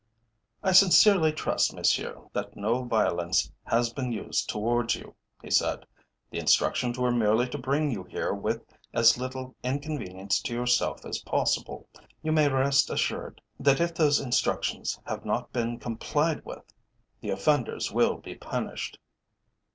"I sincerely trust, monsieur, that no violence has been used towards you," he said. "The instructions were merely to bring you here with as little inconvenience to yourself as possible. You may rest assured that if those instructions have not been complied with, the offenders will be punished.